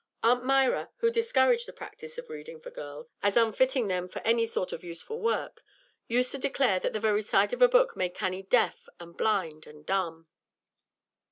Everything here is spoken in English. Aunt Myra, who discouraged the practice of reading for girls as unfitting them for any sort of useful work, used to declare that the very sight of a book made Cannie deaf and blind and dumb.